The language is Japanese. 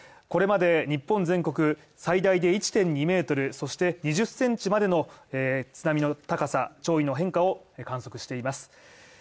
これまで日本全国最大で１．２ｍそして、２０センチまでの津波の高さ、潮位の変化を観測しています。